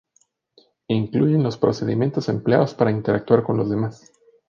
Incluyen los procedimientos empleados para interactuar con los demás.